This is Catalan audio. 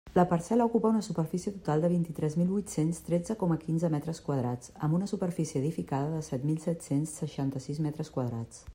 La parcel·la ocupa una superfície total de vint-i-tres mil huit-cents tretze coma quinze metres quadrats amb una superfície edificada de set mil set-cents seixanta-sis metres quadrats.